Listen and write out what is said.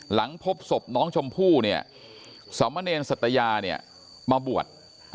หลังพบศพน้องชมพู่เนี่ยสมเนรสัตยาเนี่ยมาบวช